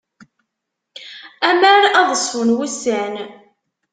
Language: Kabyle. Amer ad ṣfun wussan.